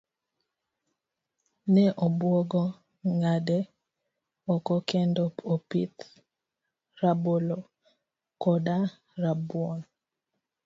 Ne obuogo ng'ade oko kendo opith rabolo koda rabuon.